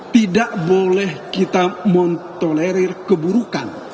tidak boleh kita montolerir keburukan